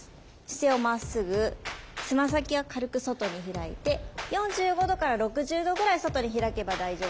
姿勢をまっすぐつま先は軽く外に開いて４５度から６０度ぐらい外に開けば大丈夫です。